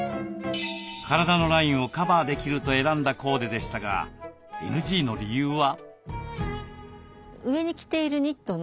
体のラインをカバーできると選んだコーデでしたがＮＧの理由は？